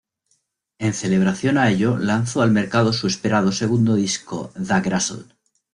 En celebración a ello lanzó al mercado su esperado segundo disco "Tha Gru$tle".